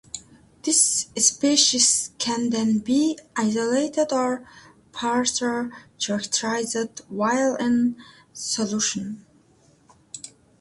This species can then be isolated or further characterized while in solution.